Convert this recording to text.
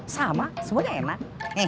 sama semuanya enak